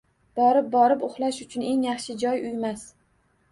Borib-borib uxlash uchun eng yaxshi joy uymas